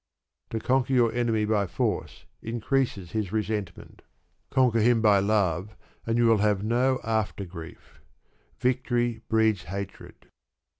To conquer your enemy by force increases his resentment. Conquer him by love and you will have no after grief. Victory breeds hatred.